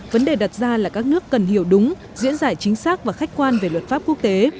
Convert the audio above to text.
vấn đề đặt ra là các nước cần hiểu đúng diễn giải chính xác và khách quan về luật pháp quốc tế